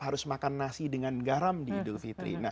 harus makan nasi dengan garam di idul fitri